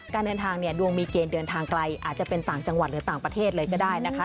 เดินทางเนี่ยดวงมีเกณฑ์เดินทางไกลอาจจะเป็นต่างจังหวัดหรือต่างประเทศเลยก็ได้นะคะ